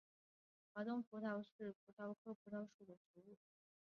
华东葡萄是葡萄科葡萄属的植物。